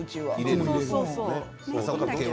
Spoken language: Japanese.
はい。